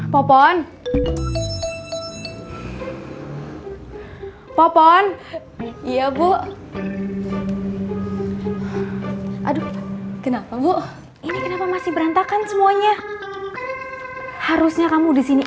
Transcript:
popon popon iya bu aduh kenapa bu ini kenapa masih berantakan semuanya harusnya kamu di sini